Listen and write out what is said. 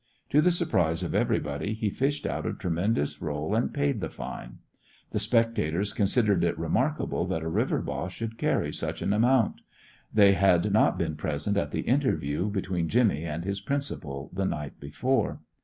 To the surprise of everybody he fished out a tremendous roll and paid the fine. The spectators considered it remarkable that a river boss should carry such an amount. They had not been present at the interview between Jimmy and his principal the night before.